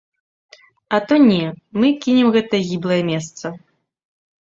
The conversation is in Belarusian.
А то не, мы кінем гэтае гіблае месца!